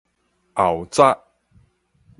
後閘